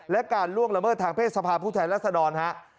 และการล่วงละเมิดทางเพศสภาพผู้แทนรัศดรฮะ